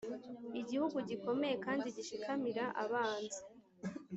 igihugu gikomeye kandi gishikamira abanzi,